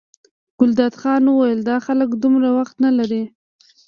ګلداد خان وویل دا خلک دومره وخت نه لري.